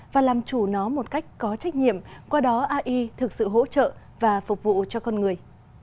và làm chủ nó một cách có trách nhiệm qua đó ai thực sự hỗ trợ và phục vụ cho con người